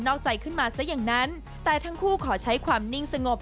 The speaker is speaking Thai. อกใจขึ้นมาซะอย่างนั้นแต่ทั้งคู่ขอใช้ความนิ่งสงบ